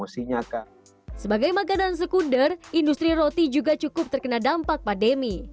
sebagai makanan sekunder industri roti juga cukup terkena dampak pandemi